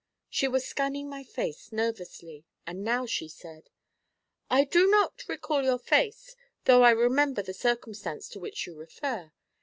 She was scanning my face nervously, and now she said: 'I do not recall your face, though I remember the circumstance to which you refer.